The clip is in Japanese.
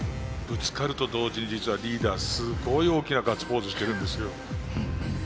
ぶつかると同時に実はリーダーすごい大きなガッツポーズしてるんですよ。